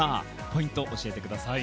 ポイントを教えてください。